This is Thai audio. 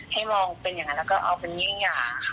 ให้มองเป็นอย่างนั้นแล้วก็เอาเป็นเยี่ยงอย่างค่ะ